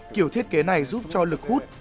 kiểu thiết kế này giúp cho lực hút